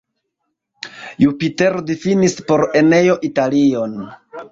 Jupitero difinis por Eneo Italion.